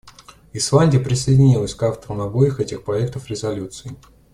Исландия присоединилась к авторам обоих этих проектов резолюций.